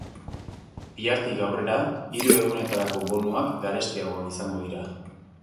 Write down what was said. Bihartik aurrera, hiru egunetarako bonuak garestiagoak izango dira.